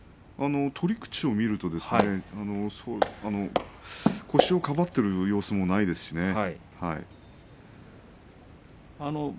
取り口を見ると腰をかばっている様子もないですしね。